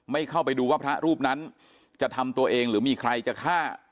เข้าไปดูว่าพระรูปนั้นจะทำตัวเองหรือมีใครจะฆ่า